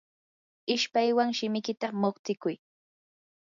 ishpaywan shimikita muqstikuy.